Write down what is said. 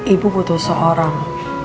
ibu butuh seorang